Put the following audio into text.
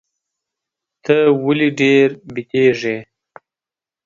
ته ولي ډېر بیدېږې؟